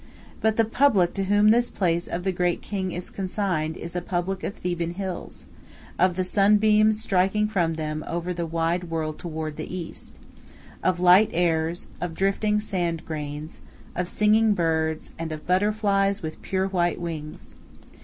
But the public to whom this place of the great king is consigned is a public of Theban hills; of the sunbeams striking from them over the wide world toward the east; of light airs, of drifting sand grains, of singing birds, and of butterflies with pure white wings.